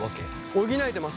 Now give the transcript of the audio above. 補えてます。